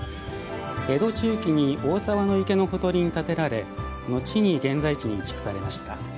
江戸中期に大沢池のほとりに建てられ後に現在地に移築されました。